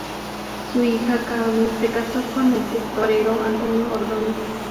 Su hija Carmen se casó con el torero Antonio Ordóñez.